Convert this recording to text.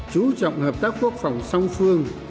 chú trọng hợp tác quốc phòng song phương